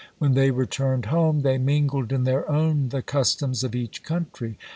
When they returned home, they mingled in their own the customs of each country.